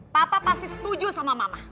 papa pasti setuju sama mama